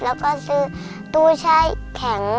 แล้วก็ซื้อตู้แช่แข็ง